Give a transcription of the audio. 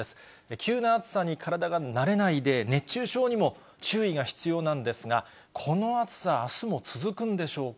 急な暑さに体が慣れないで、熱中症にも注意が必要なんですが、この暑さ、あすも続くんでしょうか。